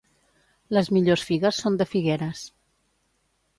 Les millors figues són de Figueres.